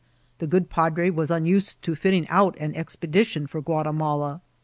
The good padre was unused to fitting out an expedition for Guatimala.